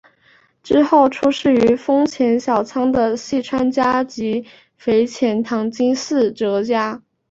之后出仕于丰前小仓的细川家及肥前唐津寺泽家。